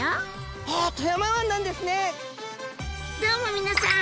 どうも皆さん！